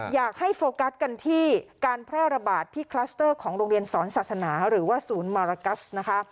อยากให้โฟกัสกันที่การแพร่ระบาดที่คลัสเตอร์ของโรงเรียนสอนศาสนาหรือว่าศูนย์มารากัสนะคะ